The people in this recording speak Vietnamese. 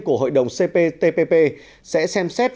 của hội đồng cptpp sẽ xem xét